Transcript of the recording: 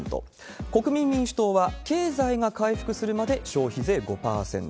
国民民主党は、経済が回復するまで消費税５％。